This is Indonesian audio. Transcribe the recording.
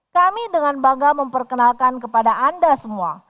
kami dengan bangga memperkenalkan kepada anda semua